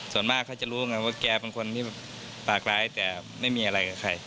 ส่วนมากเขาจะรู้ไงว่าแกเป็นคนที่แบบปากร้ายแต่ไม่มีอะไรกับใคร